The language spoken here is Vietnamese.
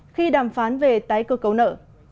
khi đàm phán về tái cơ cấu nợ